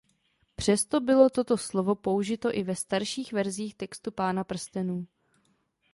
Přesto bylo toto slovo použito i ve starších verzích textu Pána prstenů.